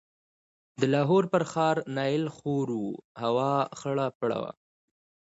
د لاهور پر ښار نایل خور و، هوا خړه پړه وه.